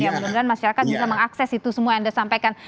yang benar benar masyarakat bisa mengakses itu semua yang anda sampaikan